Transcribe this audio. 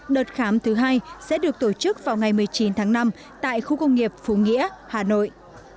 đợt khám thứ hai sẽ được tổ chức vào ngày một mươi chín tháng năm tại khu công nghiệp phú nghĩa hà nội